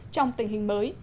trong tình hình mới